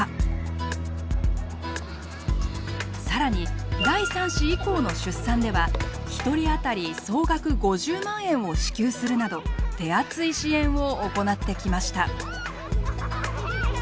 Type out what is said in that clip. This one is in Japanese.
更に第３子以降の出産では１人あたり総額５０万円を支給するなど手厚い支援を行ってきました。